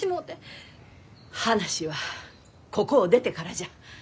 話はここを出てからじゃ。